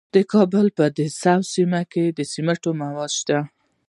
د کابل په ده سبز کې د سمنټو مواد شته.